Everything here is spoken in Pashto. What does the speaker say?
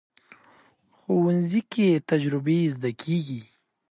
ښوونځی کې تجربې زده کېږي